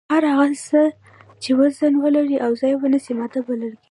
هر هغه څه چې وزن ولري او ځای ونیسي ماده بلل کیږي.